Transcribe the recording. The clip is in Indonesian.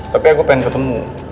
tapi aku pengen ketemu